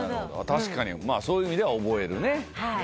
確かにそういう意味では覚える。